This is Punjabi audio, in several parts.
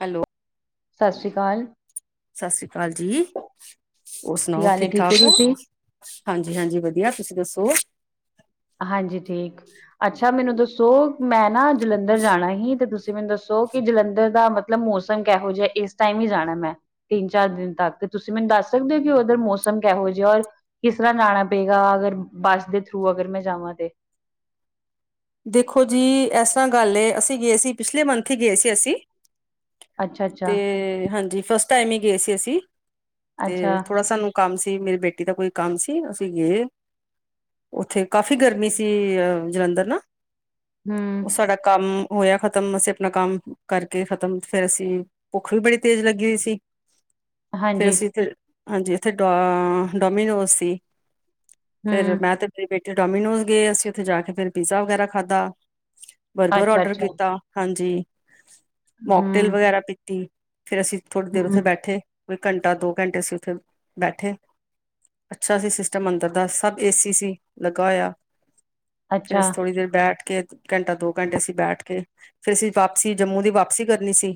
ਹੈਲੋ ਸਸ ਸ਼੍ਰੀ ਕਾਲ। ਸਸ ਸ਼੍ਰੀ ਕਾਲ ਜੀ, ਹੋਰ ਕੀ ਸੁਣਾਓ ਹਾਲ ਏ ਠੀਕ ਹੋ ਠੀਕ-ਠਾਕ ਓ? ਤੁਸੀਂ ਹਾਂਜੀ ਹਾਂਜੀ ਵਧੀਆ, ਤੁਸੀਂ ਦੱਸੋ? ਹਾਂਜੀ ਠੀਕ। ਅੱਛਾ ਮੈਨੂੰ ਦੱਸੋ ਮੈਂ ਨਾ ਜਲੰਧਰ ਜਾਣਾ ਸੀ ਤੇ ਤੁਸੀਂ ਮੈਨੂੰ ਦੱਸੋ ਕਿ ਜਲੰਧਰ ਦਾ ਮਤਲਬ ਮਤਲਬ ਮੌਸਮ ਕੈ ਹੋ ਜਿਹਾ ਇਸ ਟਾਈਮ ਈ ਜਾਣਾ ਮੈਂ? ਤਿੰਨ-ਚਾਰ ਦਿਨ ਤੱਕ ਤੁਸੀਂ ਮੈਨੂੰ ਦੱਸ ਸਕਦੇ ਹੋ ਕਿ ਉਧਰ ਮੌਸਮ ਕੈ ਹੋ ਜਿਹਾ ਔਰ ਕਿਸ ਤਰ੍ਹਾਂ ਜਾਣਾ ਪੇਗਾ ਅਗਰ ਬੱਸ ਦੇ ਥਰੂ ਅਗਰ ਮੈਂ ਜਾਵਾਂ ਤੇ? ਦੇਖੋ ਜੀ ਇਸ ਤਰ੍ਹਾਂ ਗੱਲ ਏ ਅਸੀਂ ਗਏ ਸੀ ਪਿਛਲੇ ਮੰਥ ਹੀ ਗਏ ਸੀ ਅਸੀਂ। ਅੱਛਾ ਅੱਛਾ ਤੇ ਹਾਂਜੀ ਫਸਟ ਟਾਈਮ ਹੀ ਗੇ ਸੀ ਅਸੀਂ। ਤੇ ਅੱਛਾ ਥੋੜਾ ਸਾਨੂੰ ਕੰਮ ਸੀ ਮੇਰੀ ਬੇਟੀ ਦਾ ਕੋਈ ਕੰਮ ਸੀ ਅਸੀਂ ਗੇ ਉੱਥੇ ਕਾਫ਼ੀ ਗਰਮੀ ਸੀ ਅ ਜਲੰਧਰ ਨਾ ਉਹ ਹੂੰ ਸਾਡਾ ਕੰਮ ਹੋਇਆ ਖ਼ਤਮ ਅਸੀਂ ਆਪਣਾ ਕੰਮ ਕਰਕੇ ਖ਼ਤਮ ਫੇਰ ਅਸੀਂ ਭੁੱਖ ਵੀ ਬੜੀ ਤੇਜ਼ ਲੱਗੀ ਹੋਈ ਸੀ। ਫਿਰ ਹਾਂਜੀ ਅਸੀਂ ਇੱਥੇ ਹਾਂਜੀ ਇੱਥੇ ਡ ਡੋਮੀਨੋਜ ਸੀ। ਫੇਰ ਮੈਂ ਤੇ ਹੂੰ ਮੇਰੇ ਬੇਟੀੇ ਡੋਮੀਨੋਜ਼ ਗਏ ਅਸੀਂ ਉੱਥੇ ਜਾ ਕੇ ਫਿਰ ਪੀਜ਼ਾ ਵਗੈਰਾ ਖਾਧਾ। ਬਰਗਰ ਅੱਛਾ ਔਡਰ ਅੱਛਾ ਕੀਤਾ ਹਾਂਜੀ। ਮੋਕ ਟੇਲ ਹੂੰ ਵਗੈਰਾ ਪੀਤੀ ਫਿਰ ਅਸੀਂ ਥੋੜ੍ਹੀ ਦੇਰ ਹੂੰ ਉੱਥੇ ਬੈਠੇ ਕੋਈ ਘੰਟਾ-ਦੋ ਘੰਟੇ ਅਸੀਂ ਉੱਥੇ ਬੈਠੇ ਅੱਛਾ ਸੀ ਸਿਸਟਮ ਅੰਦਰ ਦਾ ਸਭ ਏ ਸੀ ਸੀ ਲੱਗਾ ਹੋਇਆ। ਫੇਰ ਅੱਛਾ ਅਸੀਂ ਥੋੜ੍ਹੀ ਦੇਰ ਬੈਠ ਕੇ ਘੰਟਾ- ਦੋ ਘੰਟੇ ਅਸੀਂ ਬੈਠ ਕੇ ਫਿਰ ਅਸੀਂ ਵਾਪਸੀ ਜੰਮੂ ਦੀ ਵਾਪਸੀ ਕਰਨੀ ਸੀ।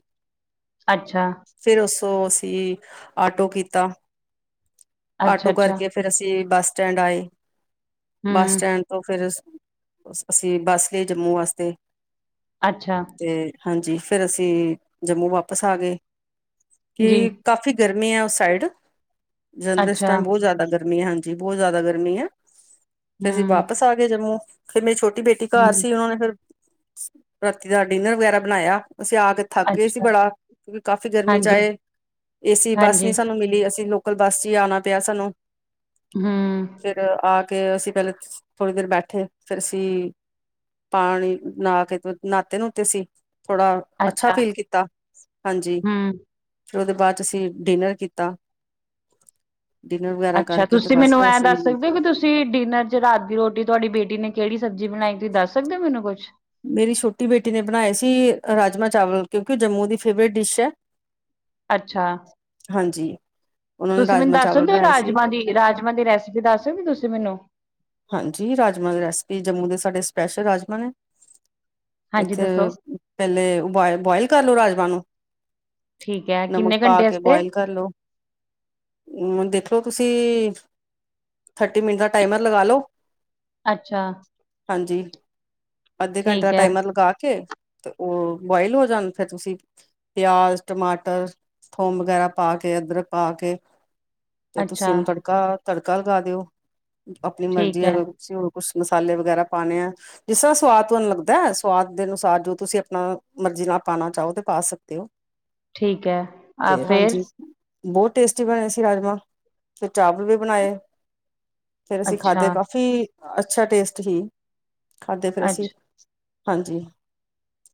ਅੱਛਾ ਫਿਰ ਉਸੋ ਅਸੀਂ ਆਟੋ ਕੀਤਾ ਅੱਛਾ ਆਟੋ ਅੱਛਾ ਕਰਕੇ ਫੇਰ ਅਸੀ ਬਸ ਸਟੈਂਡ ਆਏ, ਬਸ ਹੂੰ ਸਟੈਂਡ ਤੋ ਫੇਰ ਅਸੀ ਬੱਸ ਲੀ ਜੰਮੂ ਵਾਸਤੇ। ਅੱਛਾ। ਤੇ ਹਾਂਜੀ ਫੇਰ ਅਸੀ ਜੰਮੂ ਵਾਪਸ ਆ ਗਏ, ਜੀ ਕੀ ਕਾਫੀ ਗਰਮੀ ਏ ੳਸ ਸਾਈਡ, ਜਲੰਦਰ ਏਸ ਅੱਛਾ ਟਾਈਮ ਬੋਤ ਜਾਦਾ ਗਰਮੀ ਐ, ਹਾਂਜੀ। ਬੋਤ ਜਾਦਾ ਗਰਮੀ ਐ ਫੇਰ ਅਸੀ ਹੂੰ, ਵਾਪਸ ਆ ਗਏ ਜੰਮੂ ਫੇਰ ਮੇਰੀ ਛੋਟੀੇ ਘਰ ਹੂੰ, ਸੀ ੳਨਾਂ ਨੇ ਫੇਰ ਰਾਤੀ ਦਾ ਡਿਨਰ ਵਗੈਰਾ ਬਨਾਏਆ, ਅਸੀ ਆ ਕੇ ਥੱਕ ਗੇ ਸੀ ਅੱਛਾ, ਬੜਾ ਕਿਉਂਕਿ ਕਾਫੀ ਗਰਮੀ ਚ ਹਾਂਜੀ, ਆਏ। ਏਸੀ ਬੱਸ ਹਾਂਜੀ, ਨੀ ਸਾਨੂੰ ਮਿਲੀ, ਅਸੀ ਲੋਕ ਪਰ ਬਸ ਚ ਈ ਆਨਾ ਪੈਆ ਸਾਨੂੰ। ਹੂੰ। ਫੇਰ ਆ ਕੇ ਅਸੀ ਪੈਲੇ, ਥੋੜੀ ਦੇਰ ਬੈਠੇ ਫੇਰ ਅਸੀ ਪਾਨੀ ਨਾ ਕੇ ਨਾਤੇ- ਨੂਤੇ ਸੀ। ਥੋੜਾ ਅੱਛਾ ਫੀਲ ਕੀਤਾ, ਹਾਂਜੀ। ਹੂੰ, ਫੇਰ ੳਦੇ ਬਾਦ ਅਸੀ ਡਿਨਰ ਕੀਤਾ। ਡਿਨਰ ਵਗੈਰਾ ਕਰਕੇ ਤੇ ਬਸ ਫੇਰ ਅਸੀ ਤੁਸੀ ਡਿਨਰ ਚ ਰਾਤ ਦੀ ਰੋਟੀ ਤੁਹਾਡੀ ਬੇਟੀ ਨੇ ਕੇੜੀ ਸਬਜੀ ਬਨਾਈ, ਤੁਸੀ ਦਸ ਸਕਦੇ ੳ ਮੈਨੂੰ ਕੁਛ। ਮੇਰੀ ਛੋਟੀ ਬੇਟੀ ਨੇ ਬਨਾਏ ਸੀ, ਰਾਜਮਾਂ ਚਾਵਲ ਕਿਉਂਕਿ ਜੰਮੂ ਦੀ ਫੇਵਰੇਟ ਡਿਸ਼ ਐ। ਅੱਛਾ, ਹਾਂਜੀ ਉਹਨਾਂ ਨੇ ਤੁਸੀਂ ਮੈਨੂੰ ਰਾਜਮਾਂ ਦੱਸ ਚਾਵਲ ਸਕਦੇ ੳ ਬਣਾਏ ਸੀ ਰਾਜਮਾਂ ਦੀ ਰਾਜਮਾਂ ਦੀ ਰੈਸਪੀ ਦਸ ਦੋਗੇ ਤੁਸੀ ਮੈਨੂੰ। ਹਾਂਜੀ, ਰਾਜਮਾਂ ਦੀ ਰੈਸਿਪੀ, ਜੰਮੂ ਦੇ ਸਾਡੇ ਸਪੈਸ਼ਲ ਰਾਜਮਾਂ ਨੇ। ਹਾਂਜੀ, ਏਥੇ, ਦੱਸੋ ਪੈਲੇ ਬੋੲਲ ਬੋਆੲਲ ਕਰ ਲੋ ਰਾਜਮਾਂ ਨੂੰ ਠੀਕ ਹੈ ਨਮਕ ਕਿੰਨੇ ਪਾ ਘੰਟੇ ਕੇ ਵਾਸਤੇ? ਬੁਆੲਲ ਕਰਲੋ ਹੂੰ, ਦੇਖ ਲੋ ਤੁਸੀ, ਥਰਟੀ ਮਿੰਟ ਦਾ ਟਾਈਮਰ ਲਗਾ ਲੋ ਅੱਛਾ, ਹਾਂਜੀ, ਅੱਧੇ ਘੰਟੇ ਠੀਕ ਦਾ ਹੈ, ਟਾਈਮਰ ਲਗਾ ਕੇ ਤੇ ਉਹ ਬੋਆੲਲ ਹੋ ਜਾਣ ਫੇਰ ਤੁਸੀ ਪੇਆਜ, ਟਮਾਟਰ, ਥੋ, ਵਗੈਰਾ ਪਾ ਕੇ, ਅਦਰਕ ਪਾ ਕੇ ਤੇ ਅੱਛਾ, ਤੁਸੀ ਏਨੂੰ ਤੜਕਾ, ਤੜਕਾ ਲਗਾ ਦਿਓ‌। ਅਪਨੀ ਮਰਜੀ ਠੀਕ ਦਾ ਹੈ, ਅਗਰ ਤੁਸੀ ਹੋਰ ਕੁਛ ਮਸਾਲੇ ਵਗੈਰਾ ਪਾਨੇ ਐ ਜਿਸਰਾਂ ਸਵਾਦ ਤੁਆਨੂੰ ਲੱਗਦਾ ਐ, ਸਵਾਦ ਦੇ ਅਨੁਸਾਰ ਜੋ ਤੁਸੀ ਅਪਨਾ ਮਰਜੀ ਨਾਲ ਪਾਨਾ ਚਾੳ ਤੇ ਪਾ ਸਕਦੇ ੳ। [unintelligible] ਹੈ, ਆ ਤੇ ਫਿਰ? ਹਾਂਜੀ ਬੋਤ ਟੇਸਟੀ ਬਨੇ ਸੀ ਰਾਜਮਾ, ਫੇਰ ਚਾਵਲ ਵੀ ਬਨਾਏ। ਫੇਰ ਅਸੀ ਅੱਛਾ, ਖਾਧੇ ਕਾਫੀ ਅੱਛਾ ਟੇਸਟ ਸੀ। ਖਾਧੇ ਫੇਰ ਅਸੀ। ਅੱਛਾ। ਹਾਂਜੀ।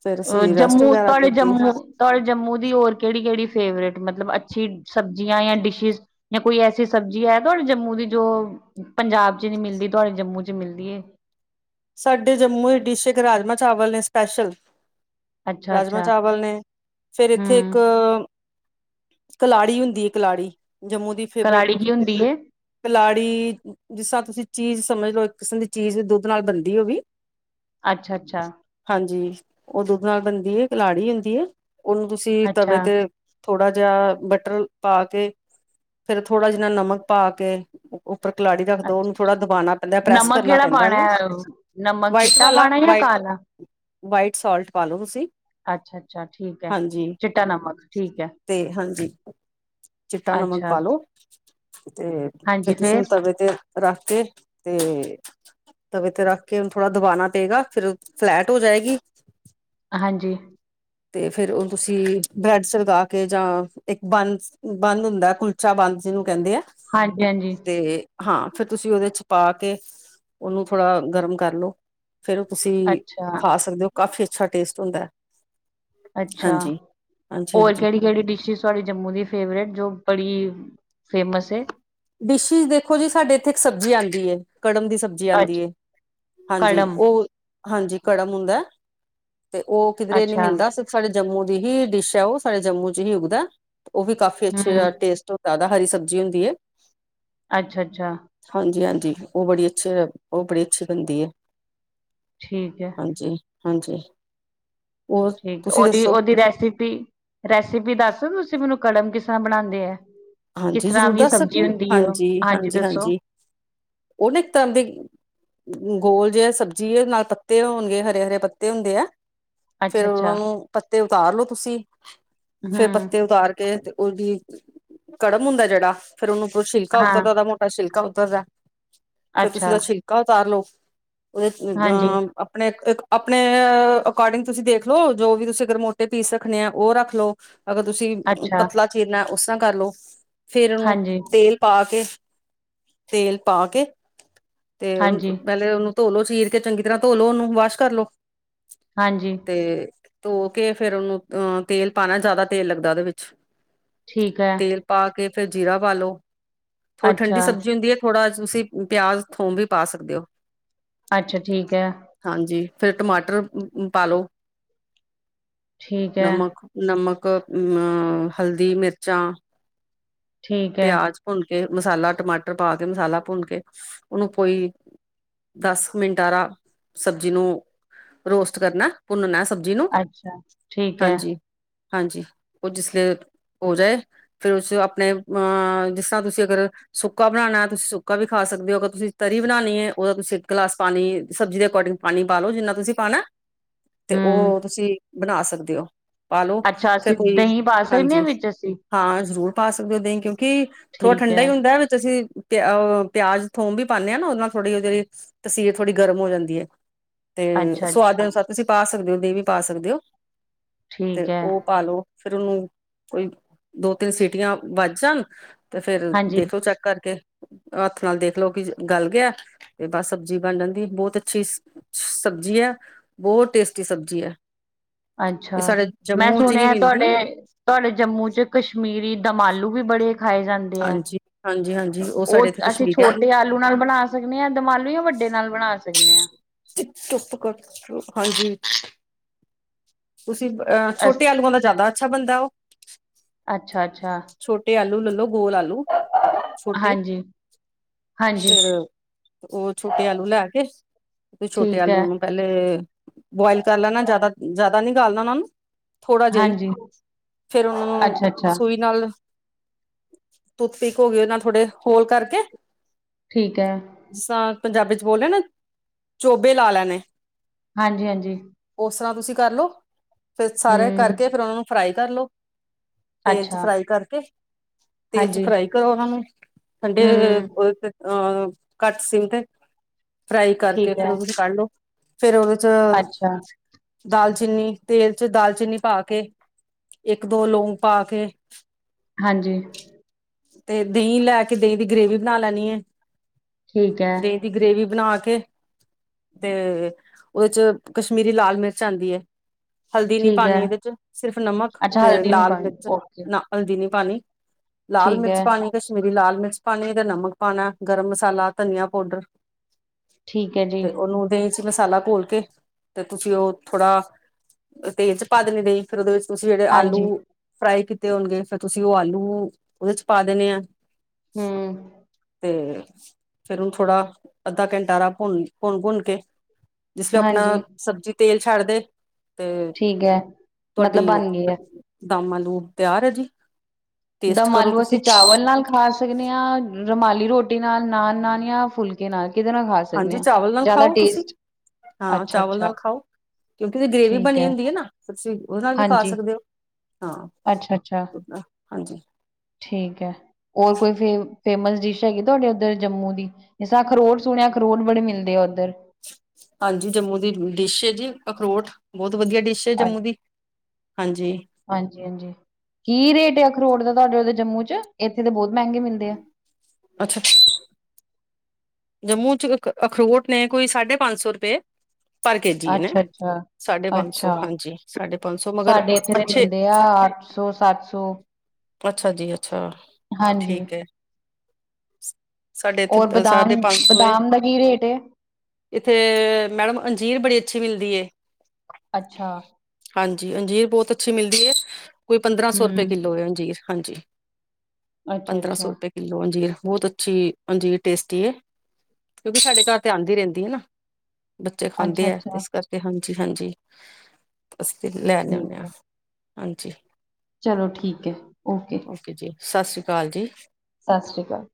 ਫਿਰ ਅ ਅਸੀਂ ਰੈਸਟ ਜੰਮੂ ਵਗੈਰਾ ਤਾਡੇ ਕੀਤੀ ਜੰਮੂ ਤੁਆਡੇ ਜੰਮੂ ਦੀ ਹੋਰ ਕੇੜੀ-ਕੜੀ ਫੇਵਰੇਟ, ਮਤਲਬ ਅੱਛੀ ਸਬਜੀਆਂ ਜਾਂ ਡਿਸ਼ਿਜ਼ ਯਾ ਕੋਈ ਐਸੀ ਸਬਜੀ ਹੈ ਤੁਆਡੇ ਜੰਮੂ ਦੀ ਜੋ ਪੰਜਾਬ ਚ ਨਈ ਮਿਲਦੀ ਤੁਆਡੇ ਜੰਮੂ ਚ ਮਿਲਦੀ ਏ। ਸਾਡੇ ਜੰਮੂ ਦੀ ਡਿਸ਼ ਇੱਕ ਰਾਜਮਾਂ ਚਾਵਲ ਨੇ ਸਪੈਸ਼ਲ ਅੱਛਾ ਅੱਛਾ ਰਾਜਮਾਂ-ਚਾਵਲ ਨੇ ਫੇਰ ਏਥੇ ਹਮ ਏਕ ਕਲਾੜੀ ਹੁੰਦੀ ਏ ਕਲਾੜੀ ਜੰਮੂ ਦੀ ਕਲਾੜੀ ਫੇਵਰਟ ਕੀ ਹੁੰਦੀ ਏ ਕਲਾੜੀ, ਜਿਸਰਾਂ ਤੁਸੀ ਚੀਜ ਸਮਝ ਲੋ ਇੱਕ ਕਿਸਮ ਦੀ ਚੀਜ ਦੁੱਧ ਨਾਲ ਬਨ ਦੀ ਓਵੀ ਅੱਛਾ-ਅੱਛਾ। ਹਾਂਜੀ ੳਹ ਦੁੱਧ ਨਾਲ ਬਨਦੀ ਏ, ਕਲਾੜੀ ਹੁੰਦੀ ਏ, ੳਨੂੰ ਤੁਸੀ ਤਵੇ ਅੱਛਾ ਤੇ ਥੋੜਾ ਜਿਹਾ ਬਟਰ ਪਾ ਕੇ ਫੇਰ, ਥੋੜਾ ਜਿਨਾ ਨਮਕ ਪਾ ਕੇ ਉੱਪਰ ਕਲਾੜੀ ਰੱਖ ਦੋ, ਅੱਛਾ ਉਹਨੂੰ ਥੋੜਾ ਦਬਾਉਣਾ ਪੈਂਦਾ ਪ੍ਰੈੱਸ ਨਮਕ ਕਰਨਾ ਕਿਹੜਾ ਪੈਂਦਾ ਪਾਉਣਾ ਇਨੂੰ ਹੈ ਨਮਕ ਚਿੱਟਾ ਪਾਉਣਾ ਜਾਂ ਕਾਲਾ ਵਾਈਟ ਸਾਲਟ ਪਾ ਲੋ ਤੁਸੀ। ਅੱਛਾ ਅੱਛਾ ਠੀਕ ਹੈ ਹਾਂਜੀ ਚਿੱਟਾ ਨਮਕ ਠੀਕ ਹੈ ਤੇ ਹਾਂਜੀ। ਚਿੱਟਾ ਨਮਕ ਅੱਛਾ ਪਾ ਲੋ। ਤੇ ਹਾਂਜੀ ਫਿਰ ਤੁਸੀਂ ਫੇਰ ਤਵੇ ਤੇ, ਰੱਖ ਕੇ ਤੇ ਤਵੇ ਤੇ ਰੱਖ ਕੇ ਉਨੂ ਥੋੜ੍ਹਾ ਦਬਾਣਾ ਪਏਗਾ ਫਿਰ ਫਲੈਟ ਹੋ ਜਾਏਗੀ। ਹਾਂਜੀ। ਤੇ ਫੇਰ ਉਨ ਤੁਸੀਂ, ਬ੍ਰੈਡ ਸਿਕਾ ਕੇ ਜਾਂ ਇੱਕ ਬਨ ਬਨ ਹੁੰਦਾ ਕੁਲਚਾ ਬੰਦ ਜਿਹਨੂੰ ਕਹਿੰਦੇ ਆ। ਹਾਂਜੀ-ਹਾਂਜੀ। ਤੇ ਹਾਂ, ਫੇਰ ਤੁਸੀਂ ਉਹਦੇ ਚ ਪਾਕੇ ਉਨੂੰ ਥੋੜਾ ਗਰਮ ਕਰ ਲੋ। ਫੇਰ ਉਹ ਤੁਸੀਂ ਅੱਛਾ ਖਾ ਸਕਦੇ ਹੋ ਕਾਫ਼ੀ ਅੱਛਾ ਟੇਸਟ ਹੁੰਦਾ ਏ। ਅੱਛਾ, ਹਾਂਜੀ ਹੋਰ ਹਾਂਜੀ ਕਿਹੜੀ-ਕਿਹੜੀ ਡਿਸ਼ਿਸ ਤੁਹਾਡੇ ਜੰਮੂ ਦੀ ਫੇਵਰੇਟ ਜੋ ਬੜੀ ਫੇਮਸ ਏ। ਡਿਸ਼ਿਜ਼ ਦੇਖੋ ਜੀ ਸਾਡੇ ਇੱਥੇ ਇੱਕ ਸਬਜ਼ੀ ਆਂਦੀ ਹੈ ਕੜਮ ਦੀ ਸਬ ਜੀ ਆਉਂਦੀ ਏ ਹਾਂਜੀ, ਉ ਹਾਂਜੀ ਕੜਮ ਹੁੰਦਾ ਏ। ਤੇ ਉ ਕਿਧਰੇ ਨੀ ਮਿਲਦਾ, ਸਿਰਫ ਸਾਡੇ ਜੰਮੂ ਦੀ ਹੀ ਡਿਸ਼ ਹੈ ਉ ਸਡੇ ਜਮੂੰ ਚ ਹੀ ਉੱਗਦਾ ਉ ਵੀ ਕਾਫੀ ਪੇਠੇ ਦਾ ਟੇਸਟ, ਜਿਆਦਾ ਹਰੀ ਸਬਜ਼ੀ ਹੁੰਦੀ ਏ। ਅੱਛਾ-ਅੱਛਾ। ਹਾਂਜੀ-ਹਾਂਜੀ, ਉ ਬੜੀ ਅੱਛੀ- ਉ ਬੜੀ ਅੱਛੀ ਬੰਦੀ ਹੈ। ਠੀਕ ਹੈ। ਹਾਂਜੀ-ਹਾਂਜੀ। ਹੋਰ ਠੀਕ ਤੁਸੀਂ ਉਹਦੀ- ਦੱਸੋ ਉਹਦੀ ਰੈਸਿਪੀ-ਰੈਸਿਪੀ ਦੱਸੋ ਤੁਸੀਂ ਮੈਨੂੰ ਕੜਮ ਕਿਸ ਤਰ੍ਹਾਂ ਬਣਾਉਂਦੇ ਆ? ਹਾਂਜੀ ਜ਼ਰੂਰ ਦੱਸ ਸਕਦੀ ਹਾ, ਹਾਂਜੀ ਦੱਸੋ ਹਾਂਜੀ-ਹਾਂਜੀ-ਹਾਂਜੀ ਉਹਨਾ ਇੱਕ ਤਰ੍ਹਾਂ ਦੇ ਗੋਲ ਜਿ ਸਬਜ਼ੀ ਏ ੳਦੇ ਨਾਲ ਪੱਤੇ ਹੋਣਗੇ, ਹਰੇ-ਹਰੇ ਪੱਤੇ ਹੁੰਦੇ ਆ। ਫਿਰ ਅੱਛਾ ਉਹਨਾਂ ਅੱਛਾ ਨੂੰ, ਪੱਤੇ ਉਤਾਰ ਲੋੋ ਤੁਸੀਂ। ਫਿਰ ਹਮ ਪੱਤੇ ਉਤਾਰ ਕੇ ਉਹਦੀ ਕੜਮ ਹੁੰਦਾ ਜੇਹੜਾ, ਫੇਰ ਉਹਨੂੰ ਛਿਲਕਾ ਹਾਂ ਉਤਰਦਾ ਮੋਟਾ ਛਿਲਕਾ ਉਤਰਦਾ। ਫੇਰ ਅੱਛਾ ਤੁਸੀਂ ਓਹਦਾ ਛਿਲਕਾ ਉਤਾਰ ਲਓ ਉਹਦੇ ਚ ਹਾਂਜੀ ਅ ਆਪਣੇ-ਆਪਣੇ ਅਕੋਰਡਿੰਗ ਤੁਸੀਂ ਦੇਖ ਲਓ ਜੋ ਵੀ ਤੁਸੀਂ ਅਗਰ ਮੋਟੇ ਪੀਸ ਰੱਖਣੇ ਆ ਉਹ ਰੱਖ ਲਓ। ਅਗਰ ਤੁਸੀਂ ਅੱਛਾ ਪਤਲਾ ਚੀਰਨਾ ਉਸ ਤਰ੍ਹਾਂ ਕਰ ਲਓ। ਫਿਰ ਉਨੂੰ ਹਾਂਜੀ ਤੇਲ ਪਾ ਕੇ-ਤੇਲ ਪਾ ਕੇ ਤੇ ਹਾਂਜੀ ਪਹਿਲੇ ਉਨੂੰ ਧੋਲੋ, ਚੀਰ ਕੇ ਚੰਗੀ ਤਰ੍ਹਾਂ ਧੋਲੋ, ਉਹਨੂੰ ਵਾਸ਼ ਕਰਲੋ। ਹਾਂਜੀ। ਤੇ ਧੋ ਕੇ ਫੇਰ ਉਨੂੰ ਅਹ ਤੇਲ ਪਾਣਾ, ਜਿਆਦਾ ਤੇਲ ਲੱਗਦਾ ਉਦੇ ਵਿੱਚ। ਠੀਕ ਹੈ। ਪਾਕੇ ਫੇਰ ਜੀਰਾ ਪਾਲਓ, ਥੋੜੀ ਠੰਡੀ ਅੱਛਾ ਸਬਜ਼ੀ ਹੁੰਦੀ ਹੈ। ਥੋੜਾ ਤੁਸੀਂ ਪਿਆਜ ਥੋਮ ਵੀ ਪਾ ਸਕਦੇ ਹੋ। ਅੱਛਾ ਠੀਕ ਹੈ। ਹਾਂਜੀ, ਫਿਰ ਟਮਾਟਰ ਪਾਲੋ, ਠੀਕ ਹੈ ਨਮਕ। ਨਮਕ, ਅਮ ਹਲਦੀ, ਮਿਰਚਾਂ, ਠੀਕ ਹੈ ਪਿਆਜ ਭੁੰਨ ਕੇ ਮਸਾਲਾ, ਟਮਾਟਰ ਪਾ ਕੇ ਮਸਾਲਾ ਭੁੰਨ ਕੇ ਉਹਨੂੰ ਕੋਈ ਦਸ ਮਿੰਟ ਆ ਸਬਜ਼ੀ ਨੂੰ ਰੋਸਟ ਕਰਨਾ। ਭੁੰਨਣਾ ਸਬਜ਼ੀ ਨੂੰ, ਅੱਛਾ ਠੀਕ ਹੈ ਹਾਂਜੀ -ਹਾਂਜੀ, ਉਹ ਜਿਸ ਹੋ ਜਾਏ, ਫਿਰ ਉਸ ਆਪਣੇ ਅਹ ਜਿਸ ਤਰ੍ਹਾਂ ਤੁਸੀਂ ਅਗਰ ਸੁੱਕਾ ਬਣਾਉਣਾ ਤੁਸੀਂ ਸੁੱਕਾ ਵੀ ਖਾ ਸਕਦੇ ਹੋ ਅਗਰ ਤੁਸੀਂ ਤਰੀ ਬਣਾਉਣੀ ਏ ਉਹਦਾ ਤੁਸੀਂ ਇੱਕ ਗਲਾਸ ਪਾਣੀ ਸਬਜੀ ਦੇ ਅਕੋਰਡਿੰਗ ਪਾਣੀ ਪਾ ਲਓ ਜਿੰਨਾ ਤੁਸੀਂ ਪਾਣਾ ਏ [unintelligible] ਉਹ ਤੁਸੀਂ ਬਣਾ ਸਕਦੇ ਹੋ, ਪਾ ਲੋ, ਅੱਛਾ ਫਿਰ ਅਸੀਂ ਕੋਈ, ਦਹੀਂ ਪਾ ਸਕਦੇ ਹਾਂ ਹਾਂਜੀ ਵਿੱਚ ਅਸੀਂ ਹਾਂ ਜ਼ਰੂਰ ਪਾ ਸਕਦੇ ਹੋ ਦਹੀ ਕਿਉਂਕਿ ਥੋੜ੍ਹਾ ਠੰਡਾ ਹੀ ਹੁੰਦਾ ਹੈ ਅਸੀਂ ਪਿਆਜ- ਪਿਆਜ ਥੋਮ ਵੀ ਪਾਉਂਦੇ ਹਾਂ ਨਾ ਉਹਦੇ ਨਾਲ ਥੋੜ੍ਹੀ ਜਿਹੜੀ ਤਸੀਰ ਥੋੜੀ ਗਰਮ ਹੋ ਜਾਂਦੀ ਹੈ ਤੇ ਅੱਛਾ ਸੁਆਦ ਅੱਛਾ ਅਨੁਸਾਰ ਤੁਸੀ ਪਾ ਸਕਦੇ ਹੋ ਦਹੀ ਪਾ ਸਕਦੇ ਹੋ ਤੇ ਠੀਕ ਹੈ ਉਹ ਪਾਲੋ ਫਿਰ ਉਹਨੂੰ ਕੋਈ ਦੋ ਤਿੰਨ ਸੀਟੀਆਂ ਵੱਜ ਜਾਣ ਤੇ ਫਿਰ ਹਾਂਜੀ ਦੇਖਲੋ ਚੈਕ ਕਰਕੇ, ਹੱਥ ਨਾਲ ਦੇਖਲੋ ਕਿ ਗਲ ਗਿਆ ਤੇ ਬਸ ਸਬਜ਼ੀ ਬਣ ਜਾਂਦੀ ਬਹੁਤ ਅੱਛੀ ਸਬਜ਼ੀ ਏ ਬਹੁਤ ਟੇਸਟੀ ਸਬਜ਼ੀ ਹੈ ਅੱਛਾ, ਇਹ ਸਾਡੇ ਮੈਂ ਜੰਮੂ ਚ ਹੀ ਸੁਣਿਆ ਮਿਲਦੀ ਤੁਹਾਡੇ ਹੈ ਤੁਹਾਡੇ ਜੰਮੂ ਚ ਕਸ਼ਮੀਰੀ ਦਮ ਆਲੂ ਵੀ ਬੜੇ ਖਾਏ ਜਾਂਦੇ ਏ ਹਾਂਜੀ ਹਾਂਜੀ ਹਾਂਜੀ ਉਹ ਸਾਡੇ ਇੱਥੇ ਅਸੀਂ ਕਸ਼ਮੀਰੀਆਂ ਛੋਟੇ ਆਲੂ ਬਣਾ ਸਕਦੇ ਹਾਂ ਦਮ ਆਲੂ ਯਾ ਵੱਡੇ ਨਾਲ ਬਣਾ ਸਕਦੇ ਹਾਂ ਚੁਪ ਕਰ ਜਾ ਹਾਂਜੀ ਤੁਸੀਂ ਅਹ ਅਸ ਛੋਟੇ ਆਲੂਆਂ ਦਾ ਜ਼ਿਆਦਾ ਅੱਛਾ ਬਣਦਾ ਉਹ ਅੱਛਾ-ਅੱਛਾ ਛੋਟੇ ਆਲੂ ਲੈਲੋ ਗੋਲ ਆਲੂ, ਛੋਟੇ, ਹਾਂਜੀ ਹਾਂਜੀ ਫਿਰ ਉਹ ਛੋਟੇ ਆਲੂ ਲੈ ਕੇ, ਤੇ ਛੋਟੇ ਠੀਕ ਹੈ ਆਲੂਆ ਨੂੰ ਪਹਿਲੇ ਬੁਆਇਲ ਕਰ ਲੈਣਾ ਜਿਆਦਾ-ਜ਼ਿਆਦਾ ਨੀ ਗਾਲਣਾ ਉਹਨਾ ਨੂੰ ਥੋੜਾ ਜਿਹੀ, ਹਾਂਜੀ ਫਿਰ ਉਹਨਾਂ ਨੂੰ, ਅੱਛਾ ਅੱਛਾ ਸੂਈ ਨਾਲ, ਤੁੁੱਤ ਪੀਕ ਹੋ ਗਈ ਉਹ ਨਾਲ ਥੋੜੇ ਹੋਲ ਕਰਕੇ ਠੀਕ ਏ ਪੰਜਾਬੀ ਚ ਬੋਲ ਲੈਣਾ ਚੋਬੇ ਲਾ ਲੈਣੇ ਹਾਂਜੀ-ਹਾਂਜੀ ਉਸ ਤਰ੍ਹਾਂ ਤੁਸੀਂ ਕਰ ਲਓ, ਫਿਰ ਸਾਰੇ ਹਮ ਕਰਕੇ ਫਿਰ ਉਹਨਾਂ ਨੂੰ ਫਰਾਈ ਕਰ ਲਓ ਤੇਲ ਅੱਛਾ ਫਰਾਈ ਕਰਕੇ, ਤੇਲ ਚ ਹਾਂਜੀ ਫਰਾਈ ਕਰੋ ਉਹਨਾ ਨੂੰ, ਠੰਡੇ ਹਮ ਅਹ ਘੱਟ ਸੀਮ ਤੇ, ਫਰਾਈ ਕਰਕੇ ਠੀਕ ਫਿਰ ਹੈ ਉਹਨੂੰ ਕਢ ਲੋਵੇ ਫਿਰ ਉਹਦੇ ਅੱਛਾ ਚ ਦਾਲਚੀਨੀ ਤੇਲ ਚ ਦਾਲਚੀਨੀ ਪਾ ਕੇ ਇੱਕ ਦੋ ਲੌਂਗ ਪਾ ਕੇ ਹਾਂਜੀ ਤੇ ਦਹੀਂ ਲੈ ਕੇ ਦਹੀਂ ਦੀ ਗ੍ਰੇਵੀ ਬਣਾ ਲੈਣੀ ਏ ਠੀਕ ਹੈ। ਗ੍ਰੇਵੀ ਬਣਾ ਕੇ ਤੇ, ਉਹਦੇ ਚ ਕਸ਼ਮੀਰੀ ਲਾਲ ਮਿਰਚ ਆਉਂਦੀ ਹੈ ਹਲਦੀ ਨਹੀਂ ਠੀਕ ਹੈ ਪਾਉਣੀ ਇਹਦੇ ਚ ਸਿਰਫ਼ ਨਮਕ ਅੱਛਾ ਤੇ ਹਲਦੀ ਨਹੀਂ ਲਾਲ ਪਾਣੀ ਮਿਰਚ ਓਕੇ ਹਲਦੀ ਨੀ ਪਾਣੀ ਲਾਲ ਠੀਕ ਮਿਰਚ ਹੈ ਪਾਣੀ ਕਸ਼ਮੀਰੀ ਲਾਲ ਮਿਰਚ ਪਾਉਣੀ ਤੇ ਨਮਕ ਪਾਉਣਾ ਗਰਮ ਮਸਾਲਾ, ਧਨੀਆ ਪਾਊਡਰ ਠੀਕ ਹੈ ਜੀ ਤੇ, ਉਹਨੂੰ ਦੇਖ ਮਸਾਲਾ ਘੋਲ ਕੇ, ਤੇ ਤੁਸੀਂ ਉਹ ਥੋੜਾ ਤੇਲ ਚ ਭੁਦ ਦੇਈ, ਫਿਰ ਉਹਦੇ ਵਿੱਚ ਤੁਸੀਂ ਜਿਹੜੇ ਆਲੂ ਹਾਂਜੀ ਫਰਾਈ ਕਿਤੇ ਫਿਰ ਤੁਸੀਂ ਉਹ ਆਲੂ, ਉਹਦੇ ਚ ਪਾ ਦੇਣੇ ਆ ਹੂੰ। ਤੇ ਫਿਰ ਓਨੂੰ ਥੋੜਾ ਅੱਧਾ ਘੰਟਾ ਭੁਨ-ਭੁਣ-ਭੁੰਨ ਕੇ ਜਿਸ ਤਰ੍ਹਾਂ ਆਪਣਾ ਹਾਂਜੀ ਸਬਜ਼ੀ ਤੇਲ ਛੱਡ ਦੇ ਤੇ ਠੀਕ ਹੈ ਤੁਹਾਡੀ ਮਤਲਬ ਬਣ ਗਈ ਹੈ ਦਮ ਆਲੂ ਤਿਆਰ ਐ ਜੀ। ਟੇਸਟ ਦਮ ਕਰੋ ਆਲੂ ਅਸੀਂ ਤੁਸੀਂ ਚਾਵਲ ਨਾਲ ਖਾ ਸਕਦੇ ਆ, ਰੁਮਾਲੀ ਰੋਟੀ ਨਾਲ, ਨਾਨ ਨਾਲ, ਫੁਲਕ ਕੇ ਨਾਲ ਕਿਧਦੇ ਨਾਲ ਖਾ ਸਕਦੇ ਹਾਂਜੀ ਆ? ਚਾਵਲ ਨਾਲ ਜ਼ਿਆਦਾ ਖਾਓ ਤੁਸੀਂ ਟੇਸਟ ਹਾਂ, ਅੱਛਾ ਚਾਵਲ ਅੱਛਾ ਨਾਲ ਖਾਓ। ਕਿਉਂਕਿ ਉਹਦੀ ਗ੍ਰਰੇਵੀ ਠੀਕ ਬਣੀ ਹੈ ਹੁੰਦੀ ਐ ਨਾ। ਤੁਸੀਂ ਉਹਦੇ ਨਾਲ ਵੀ ਖਾ ਹਾਂਜੀ ਸਕਦੇ ਓ। ਹਾਂ‌। ਅੱਛਾ ਅੱਛਾ ਆਪਣਾ ਹਾਂਜੀ। ਠੀਕ ਐ। ਹੋਰ ਕੋਈ ਫੇਮ-ਫੇਮਸ ਡਿਸ਼ ਹੈਗੀ ਤੁਹਾਡੇ ਉੱਧਰ ਜੰਮੂ ਦੀ? ਜਾਂ ਖਰੋਟ ਸੁਣਿਐ, ਖਰੋਟ ਬੜੇ ਮਿਲਦੇ ਐ ਓਧਰ। ਹਾਂਜੀ ਜੰਮੂ ਦੀ ਡਿਸ਼ ਐ ਜੀ ਅਖਰੋਟ। ਬਹੁਤ ਵਧੀਆ ਡਿਸ਼ ਜੰਮੂ ਦੀ, ਹਾਂਜੀ। ਹਾਂਜੀ-ਹਾਂਜੀ। ਕੀ ਰੇਟ ਐ ਅਖਰੋਟ ਦਾ ਤੁਹਾਡੇ ਜੰਮੂ ਚ? ਇੱਥੇ ਤਾਂ ਬਹੁਤ ਮਹਿੰਗੇ ਮਿਲਦੇ ਆ। ਅੱਛਾ [unintelligible] ਜੰਮੂ ਚ ਅ-ਅਖਰੋਟ ਨੇ ਕੋਈ ਸਾਢੇ ਪੰਜ ਸੌ ਰੁਪਏ। ਪਰ ਕੇ ਜੀ ਨੇ ਅੱਛਾ-ਅੱਛਾ। ਸਾਢੇ ਪੰਜ ਸੌ ਅੱਛਾ। ਹਾਂਜੀ ਸਾਢੇ ਪੰਜ ਸੌ ਮਗਰ ਸਾਡੇ ਇੱਥੇ ਦੇ ਅੱਛੇ ਮਿਲਦੇ ਆ ਅੱਠ ਸੌ, ਸੱਤ ਸੌ। ਅੱਛਾ ਜੀ ਅੱਛਾ। ਹਾਂਜੀ ਠੀਕ ਐ। ਸਾਡੇ ਇੱਥੇ ਔਰ ਅ ਸਾਡੇ ਬਦਾਮ ਬਦਾਮ ਦਾ ਕੀ ਰੇਟ ਏ? ਇੱਥੇ ਮੈਡਮ ਅੰਜੀਰ ਬੜੀ ਅੱਛੀ ਮਿਲਦੀ ਏ। ਅੱਛਾ। ਹਾਂਜੀ ਅੰਜੀਰ ਬਹੁਤ ਅੱਛੀ ਮਿਲਦੀ ਐ। ਕੋਈ ਪੰਦਰਾਂ ਸੌ ਰੁਪਏ ਹਮ ਕਿੱਲੋ ਹੈ ਅੰਜੀਰ, ਹਾਂਜੀ। ਅੱਛਾ ਪੰਦਰਾਂ ਸੌ ਅੱਛਾ ਰੁਪਏ ਕਿੱਲੋ ਅੰਜੀਰ। ਬਹੁਤ ਅੱਛੀ ਏ ਅੰਜੀਰ ਟੇਸਟੀ ਏ। ਕਿਉਂਕਿ ਸਾਡੇ ਘਰ ਤੇ ਆਂਦੀ ਰਹਿੰਦੀ ਐ ਨਾ ਬੱਚੇ ਅੱਛਾ ਖਾਂਦੇ ਐ। ਅੱਛਾ ਇਸ ਕਰਕੇ ਤੇ ਹਾਂਜੀ-ਹਾਂਜੀ। ਅਸੀਂ ਤੇ ਲੈ ਲਉਦੇ ਠੀਕ ਆ, ਹੈ ਹਾਂਜੀ। ਚਲੋ ਠੀਕ ਐ। ਓਕੇ। ਓਕੇ ਜੀ‌। ਸਤਿ ਸ਼੍ਰੀ ਅਕਾਲ ਜੀ। ਸਤਿ ਸ਼੍ਰੀ ਅਕਾਲ‌।